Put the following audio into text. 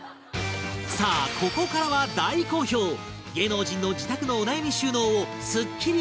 さあここからは大好評芸能人の自宅のお悩み収納をスッキリ解決